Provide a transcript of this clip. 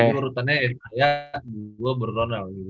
jadi urutannya ya gue berronald gitu